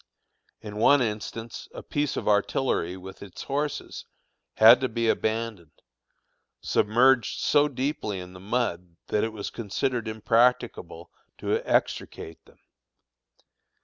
In one instance a piece of artillery with its horses had to be abandoned, submerged so deeply in the mud that it was considered impracticable to extricate them.